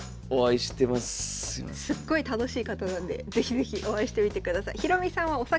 すっごい楽しい方なんで是非是非お会いしてみてください。